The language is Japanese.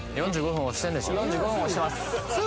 ４５分押してます